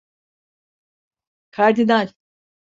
Kardinal…